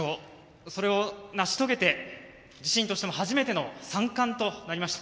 それを成し遂げて自身としても初めての三冠となりました。